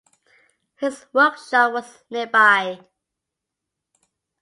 His workshop was nearby.